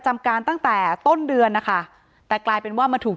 อ๋อเจ้าสีสุข่าวของสิ้นพอได้ด้วย